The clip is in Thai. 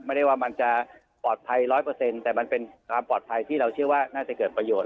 ไม่ได้ว่ามันจะปลอดภัยร้อยเปอร์เซ็นต์แต่มันเป็นความปลอดภัยที่เราเชื่อว่าน่าจะเกิดประโยชน์